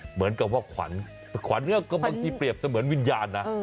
เหมือนกับว่าขวัญขวัญก็บางทีเปรียบเสมือนวิญญาณนะ